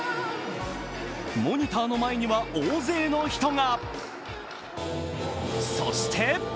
モニターの前には大勢の人が。